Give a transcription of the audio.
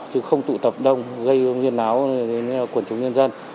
chứ không tụ tập đông gây nguyên áo quần chúng nhân dân